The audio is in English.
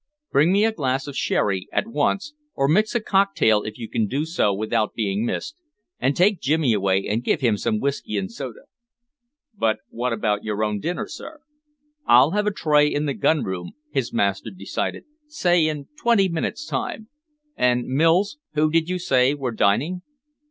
Bring me a glass of sherry at once, or mix a cocktail if you can do so without being missed, and take Jimmy away and give him some whisky and soda." "But what about your own dinner, sir?" "I'll have a tray in the gun room," his master decided, "say in twenty minutes' time. And, Mills, who did you say were dining?"